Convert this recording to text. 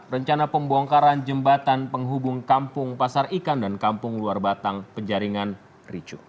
rencana pembongkaran jembatan penghubung kampung pasar ikan dan kampung luar batang penjaringan ricu